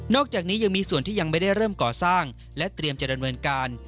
อกจากนี้ยังมีส่วนที่ยังไม่ได้เริ่มก่อสร้างและเตรียมจะดำเนินการ